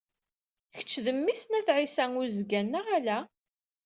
Kečč d mmi-s n At Ɛisa Uzgan, neɣ ala?